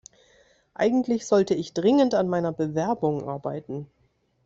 Eigentlich sollte ich dringend an meiner Bewerbung arbeiten.